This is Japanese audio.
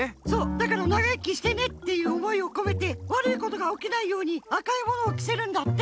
だから「ながいきしてね」っていうおもいをこめてわるいことがおきないように赤いものをきせるんだって。